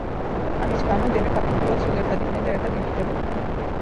ამის გამო დები ფაქტობრივად სულ ერთად იყვნენ და ერთად იზრდებოდნენ.